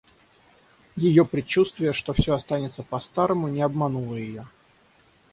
Ее предчувствие, что всё останется по-старому, — не обмануло ее.